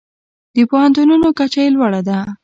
د پوهنتونونو کچه یې لوړه ده.